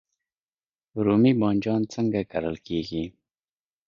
رومی بانجان څنګه کرل کیږي؟